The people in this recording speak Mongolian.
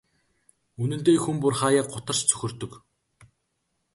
Үнэндээ хүн бүр хааяа гутарч цөхөрдөг.